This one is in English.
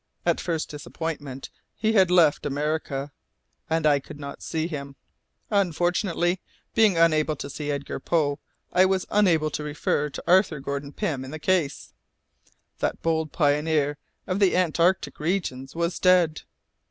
A first disappointment! He had left America, and I could not see him. Unfortunately, being unable to see Edgar Poe, I was unable to refer to Arthur Gordon Pym in the case. That bold pioneer of the Antarctic regions was dead!